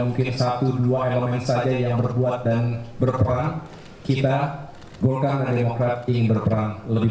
mungkin satu dua elemen saja yang berbuat dan berperang kita golkaran demokrati berperang lebih